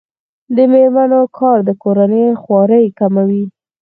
د میرمنو کار د کورنۍ خوارۍ کموي.